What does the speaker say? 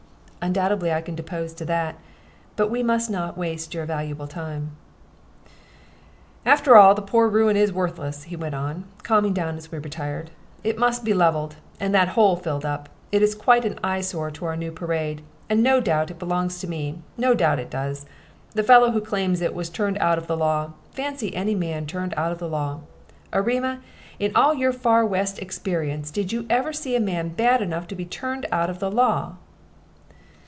"Undoubtedly I can depose to that. But we must not waste your valuable time." "After all, the poor ruin is worthless," he went on, calming down as we retired. "It must be leveled, and that hole filled up. It is quite an eye sore to our new parade. And no doubt it belongs to me no doubt it does. The fellow who claims it was turned out of the law. Fancy any man turned out of the law! Erema, in all your far West experience, did you ever see a man bad enough to be turned out of the law?"